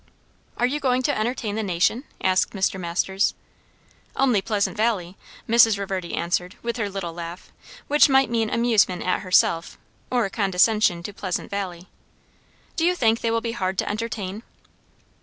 "Are you going to entertain the nation?" asked Mr Masters. "Only Pleasant Valley," Mrs. Reverdy answered with her little laugh; which might mean amusement at herself or condescension to Pleasant Valley. "Do you think they will be hard to entertain?"